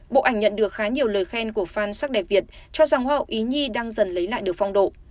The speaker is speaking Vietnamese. bộ ảnh nhận được khá nhiều lời khen của fan sắc đẹp việt cho rằng hoa hậu ý như đang dần lấy lại được phong độ